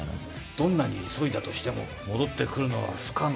どんなに急いだとしても戻ってくるのは不可能。